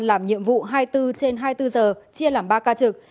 làm nhiệm vụ hai mươi bốn trên hai mươi bốn giờ chia làm ba ca trực